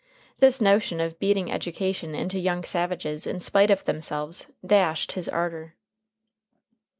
This notion of beating education into young savages in spite of themselves dashed his ardor.